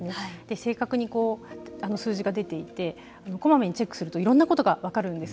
正確に数字が出ていて小まめにチェックするといろんなことが分かるんです。